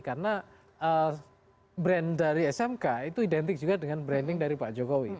karena brand dari smk itu identik juga dengan branding dari pak jokowi